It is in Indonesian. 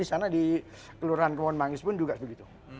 di sana di kelurahan kemon mangis pun juga begitu